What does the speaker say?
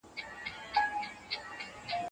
آيا هغه نوي نظري ميتود ته پرمختيا ورکړه؟